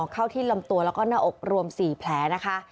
เข้าที่ลำตัวแล้วก็หน้าอกรวม๔แผลนะคะ